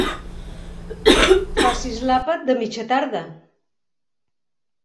Facis l'àpat de mitja tarda.